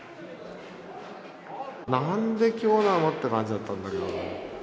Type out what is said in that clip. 「なんで今日なの？」って感じだったんだけど。